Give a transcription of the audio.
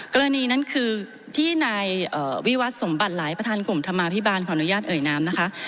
กรณีนั้นคือที่นายวิวัตรสมบัติหลายประธานกลุ่มธรรมาภิบาลขออนุญาตเอ่ยนามนะคะ